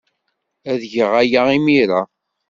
Ad geɣ aya imir-a.